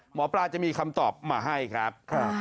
หมอปลาจะมีคำตอบมาให้ครับ